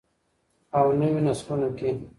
او نویو نسلونو کې.